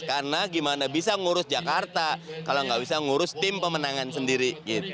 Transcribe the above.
karena gimana bisa ngurus jakarta kalau nggak bisa ngurus tim pemenangan sendiri